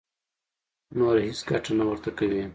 نوره هېڅ ګټه نه ورته کوي.